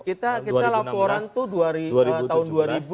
kita laporan tuh tahun dua ribu dua ribu satu dua ribu dua